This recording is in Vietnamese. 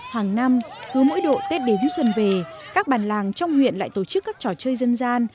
hàng năm cứ mỗi độ tết đến xuân về các bàn làng trong huyện lại tổ chức các trò chơi dân gian